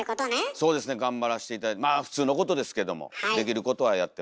そうですね頑張らして頂いてまあ普通のことですけどもできることはやってます。